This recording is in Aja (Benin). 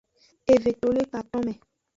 Eve to le katonme.